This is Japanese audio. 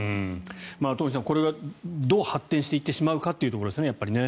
東輝さん、これがどう発展していってしまうかというところですね。